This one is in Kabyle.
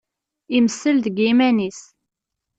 Imessel deg yiman-is.